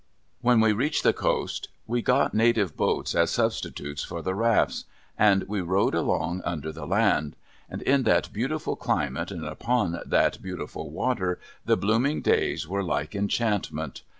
When we reached the coast, we got native boats as substitutes for the rafts; and we rowed along under the land; and in that beautiful climate, and upon that beautiful water, the blooming days were like enchantment.